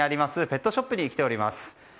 ペットショップに来ております。